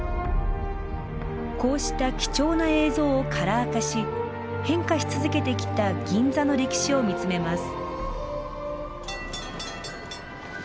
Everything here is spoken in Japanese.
こうした貴重な映像をカラー化し変化し続けてきた銀座の歴史を見つめます。